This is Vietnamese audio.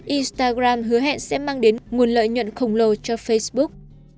instagram hứa hẹn sẽ mang đến nguồn lợi nhuận khổng lồ cho facebook